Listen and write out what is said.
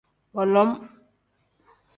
Bolom.